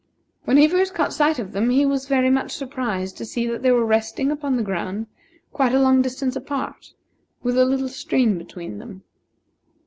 When he first caught sight of them, he was very much surprised to see that they were resting upon the ground quite a long distance apart, with a little stream between them.